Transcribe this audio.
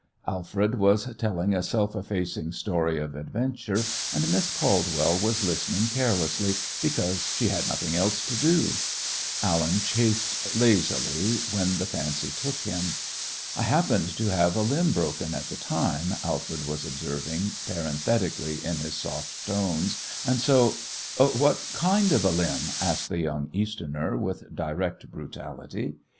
Alfred was telling a self effacing story of adventure, and Miss Caldwell was listening carelessly because she had nothing else to do. Allen chaffed lazily when the fancy took him. "I happened to have a limb broken at the time," Alfred was observing, parenthetically, in his soft tones, "and so " "What kind of a limb?" asked the young Easterner, with direct brutality.